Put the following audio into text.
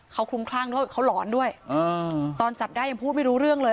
เขาคลุมคลั่งด้วยเขาหลอนด้วยตอนจับได้ยังพูดไม่รู้เรื่องเลย